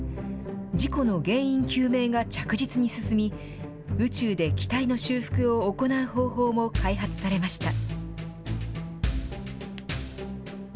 事故の原因究明が着実に進み、宇宙で機体の修復を行う方法も開発されました。